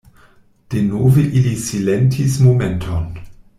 Denove ili silentis momenton.